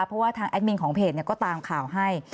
เพราะว่าทางแอดมินของเพจก็ตามข่าวให้